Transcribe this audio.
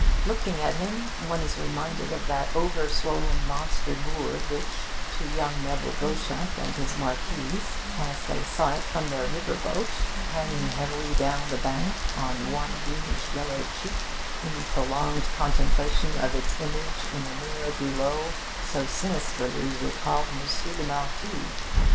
Looking at him, one is reminded of that over swollen monster gourd which to young Nevil Beauchamp and his Marquise, as they saw it from their river boat, 'hanging heavily down the bank on one greenish yellow cheek, in prolonged contemplation of its image in the mirror below,' so sinisterly recalled Monsieur le Marquis.